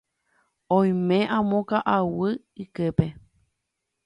Oime amo ka'aguy yképe.